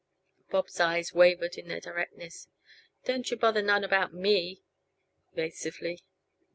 Bob's eyes wavered in their directness. "Don't yuh bother none about me," evasively.